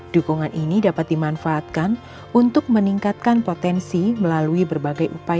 dukungan ini dapat dimanfaatkan untuk meningkatkan potensi melalui berbagai upaya